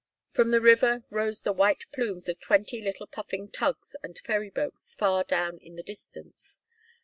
From the river rose the white plumes of twenty little puffing tugs and ferry boats far down in the distance.